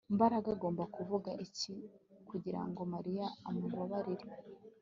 Mbaraga agomba kuvuga iki kugirango Mariya amubabarire